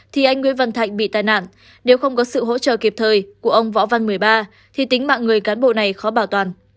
thì anh nguyễn văn thạnh bị tai nạn nếu không có sự hỗ trợ kịp thời của ông võ văn một mươi ba thì tính mạng người cán bộ này khó bảo toàn